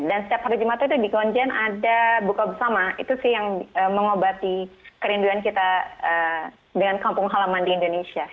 dan setiap hari jumat itu di konjen ada buka bersama itu sih yang mengobati kerinduan kita dengan kampung halaman di indonesia